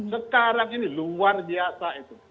sekarang ini luar biasa itu